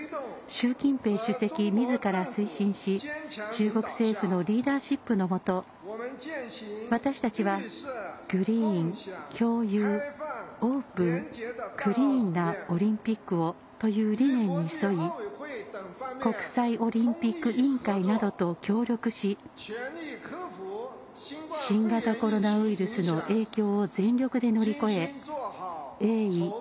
習近平主席みずから推進し中国政府のリーダーシップのもと私たちはグリーン、共有、オープンクリーンなオリンピックをという理念に沿い国際オリンピック委員会などと協力し新型コロナウイルスの影響を全力で乗り越え鋭意